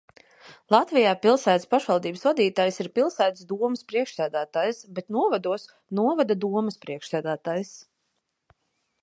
Latvijā pilsētas pašvaldības vadītājs ir pilsētas domes priekšsēdētājs, bet novados – novada domes priekšsēdētājs.